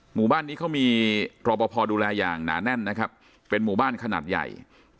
หมู่บ้านนี้เขามีรอปภดูแลอย่างหนาแน่นนะครับเป็นหมู่บ้านขนาดใหญ่